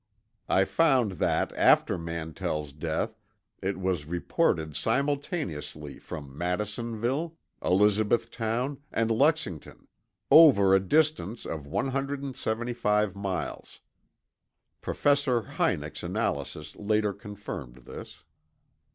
I found that after Mantell's death it was reported simultaneously from Madisonville, Elizabethtown, and Lexington—over a distance of 175 miles. (Professor Hynek's analysis later confirmed this.)